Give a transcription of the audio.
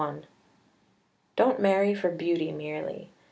_Don't marry for beauty merely.